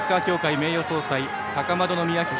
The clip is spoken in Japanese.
名誉総裁高円宮妃